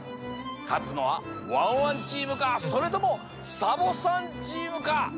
かつのはワンワンチームかそれともサボさんチームか！？